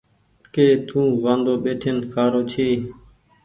ڪي تو وآندو ٻيٺين کآرو ڇي۔